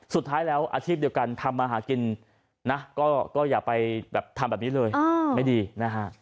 สุดท้ายแล้วอาชีพเดียวกันทำมาหากินนะก็อย่าไปแบบทำแบบนี้เลยไม่ดีนะฮะ